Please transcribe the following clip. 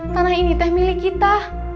tanah ini teh milik kita